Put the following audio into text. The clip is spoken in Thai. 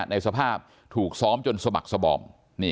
ในสภาพถูกซ้อมจนสมัครสบอม